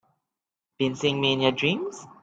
Been seeing me in your dreams?